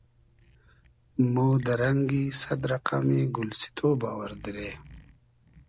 مۉ دۂ رئنگی سئد رئقئمی گولسیتۉ باوئر دیرې